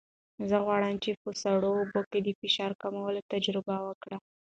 زه غواړم په سړو اوبو کې د فشار کمولو تجربه وکړم.